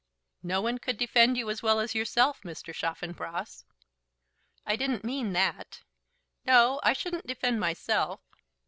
"No one could defend you as well as yourself, Mr. Chaffanbrass." "I didn't mean that. No; I shouldn't defend myself.